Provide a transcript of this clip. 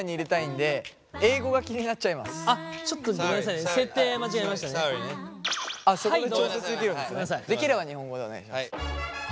できれば日本語でお願いします。